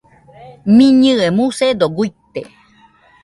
Miñɨe musedo guite